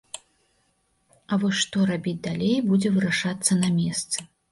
А вось што рабіць далей, будзе вырашацца на месцы.